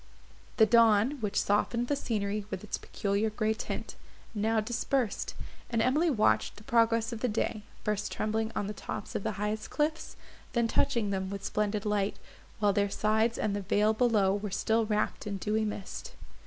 The dawn, which softened the scenery with its peculiar grey tint, now dispersed, and Emily watched the progress of the day, first trembling on the tops of the highest cliffs, then touching them with splendid light, while their sides and the vale below were still wrapt in dewy mist.